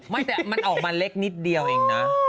ไม่แต่มันออกมาเล็กนิดเดียวเองนะ